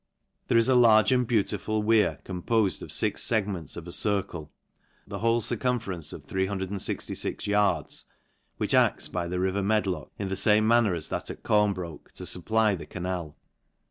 There is a large and beau tiful wear compofed of fix fegments of a circle, the whole circumference of 366 yards, which a&s by the river Madhck\ in the fame manner as that at Cornbroke, to fupply the canal.